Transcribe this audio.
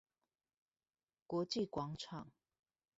國際廣場